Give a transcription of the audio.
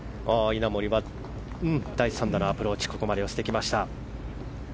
稲森は第３打のアプローチをここまで寄せてきました。